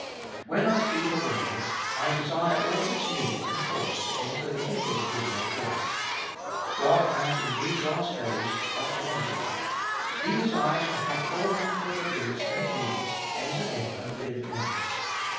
4. When I speak a word, I desire all its meaning and force to enter into him whom I address. God has in these last days but one Word. He desires to have all that Word is and means enter in and live in us.